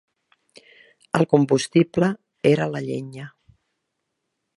El combustible era la llenya.